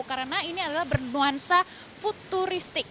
karena ini adalah bernuansa futuristik